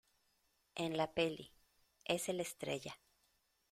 en la peli. es el Estrella .